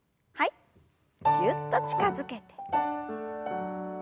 ぎゅっと近づけて。